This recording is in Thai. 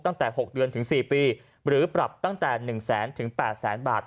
ตั้งแต่๖เดือนถึง๔ปีหรือปรับตั้งแต่๑แสนถึง๘แสนบาท